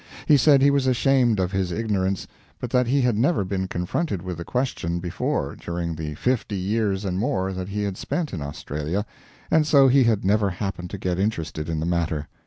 He said he was ashamed of his ignorance, but that he had never been confronted with the question before during the fifty years and more that he had spent in Australia, and so he had never happened to get interested in the matter.